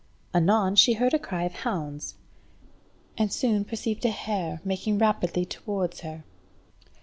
Anon she heard a cry of hounds, and soon perceived a hare making rapidly towards her.